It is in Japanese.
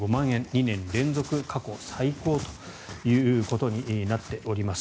２年連続過去最高ということになっております。